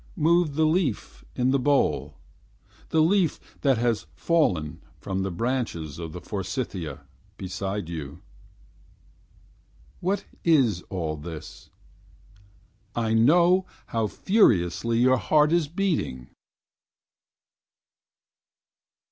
Move the leaf in the bowl The leaf that has fallen from the branches of the forsythia Beside you ... What is all this? I know how furiously your heart is beating.